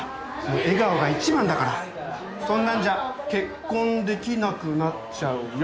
笑顔がいちばんだからそんなんじゃ結婚できなくなっちゃうよ？